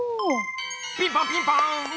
ピンポンピンポン！